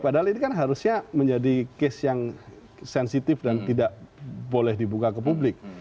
padahal ini kan harusnya menjadi case yang sensitif dan tidak boleh dibuka ke publik